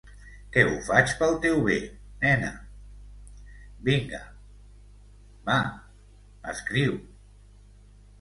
Que ho faig pel teu bé, nena... vinga, va, escriu.